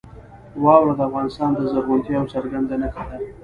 واوره د افغانستان د زرغونتیا یوه څرګنده نښه ده.